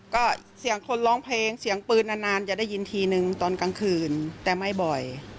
ก็เสียงคนร้องเพลงเสียงปืนนานจะได้ยินทีนึงตอนกลางคืนแต่ไม่บ่อย